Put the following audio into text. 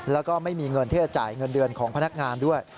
แล้วก็ไม่มีเงินที่จะจ่ายเงินเดือนของพนักงานด้วย